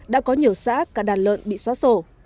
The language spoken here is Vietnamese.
đã có nhiều xã cả đàn lợn bị xóa sổ